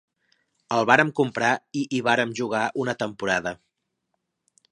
El vàrem comprar i hi vàrem jugar una temporada.